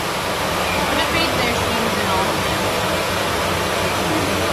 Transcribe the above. What a fate there seems in all this!